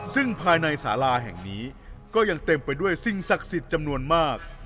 ซึ่งภายในสาราแห่งนี้ก็ยังเต็มไปด้วยสิ่งศักดิ์สิทธิ์จำนวนมาก